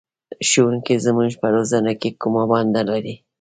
ښوونکی زموږ په روزنه کې کومه ونډه لري؟